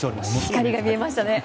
光が見えましたね。